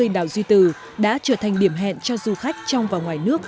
năm mươi đảo duy tử đã trở thành điểm hẹn cho du khách trong và ngoài nước